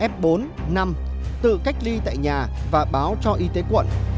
f bốn năm tự cách ly tại nhà và báo cho y tế quận